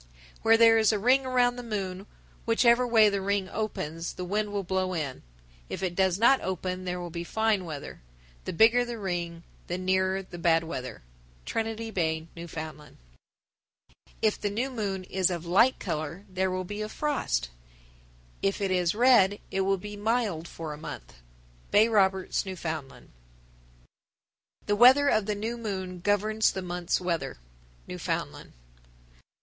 _ 997. Where there is a ring around the moon, whichever way the ring opens; the wind will blow in. If it does not open there will be fine weather. The bigger the ring the nearer the bad weather. Trinity Bay, N.F. 998. If the new moon is of light color, there will be a frost; if it is red, it will be mild for a month. Bay Roberts, N.F. 999. The weather of the new moon governs the month's weather. _Newfoundland.